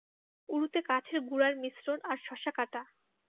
উরুতে কাঠের গুড়ার মিশ্রণ, আর শসা কাটা।